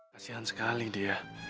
kasian sekali dia